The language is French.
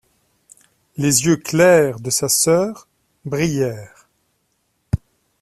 Les yeux clairs de sa sœur brillèrent.